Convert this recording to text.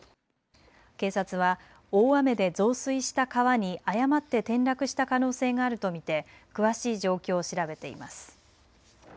警察は大雨で増水した川に誤って転落した可能性があると見て詳しい状況を調べています。